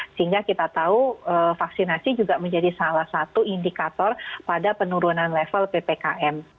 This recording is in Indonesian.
sehingga kita tahu vaksinasi juga menjadi salah satu indikator pada penurunan level ppkm